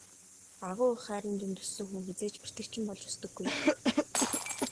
Агуу их хайрын дунд өссөн хүн хэзээ ч бэртэгчин болж өсдөггүй.